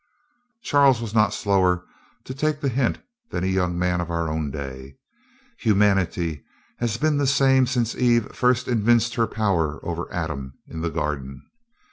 Charles was not slower to take the hint than a young man of our own day. Humanity has been the same since Eve first evinced her power over Adam in the garden.